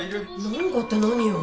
なんかって何よ